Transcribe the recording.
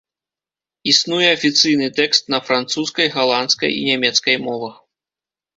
Існуе афіцыйны тэкст на французскай, галандскай і нямецкай мовах.